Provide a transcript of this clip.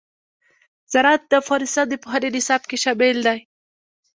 زراعت د افغانستان د پوهنې نصاب کې شامل دي.